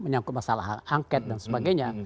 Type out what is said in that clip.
menyangkut masalah hak angket dan sebagainya